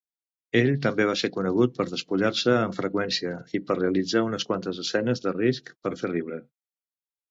Ell també va ser conegut per despullar-se amb freqüència i per realitzar unes quantes escenes de risc per fer riure.